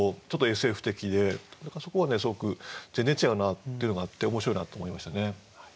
そこがすごく全然違うなっていうのがあって面白いなと思いましたね。